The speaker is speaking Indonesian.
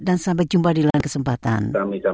dan sampai jumpa di lain kesempatan